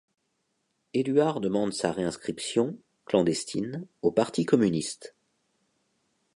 Éluard demande sa réinscription, clandestine, au parti communiste.